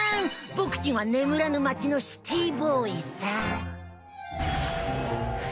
僕ちんは眠らぬ街のシティーボーイさ。